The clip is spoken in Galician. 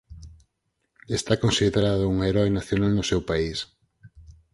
Esta considerado un heroe nacional no seu país.